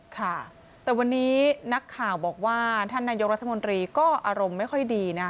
ค่ะแต่วันนี้นักข่าวบอกว่าท่านนายกรัฐมนตรีก็อารมณ์ไม่ค่อยดีนะ